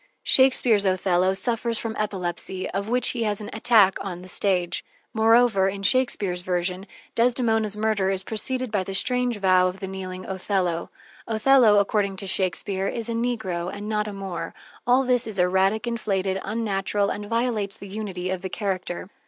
Shakespeare's Othello suffers from epilepsy, of which he has an attack on the stage; moreover, in Shakespeare's version, Desdemona's murder is preceded by the strange vow of the kneeling Othello. Othello, according to Shakespeare, is a negro and not a Moor. All this is erratic, inflated, unnatural, and violates the unity of the character.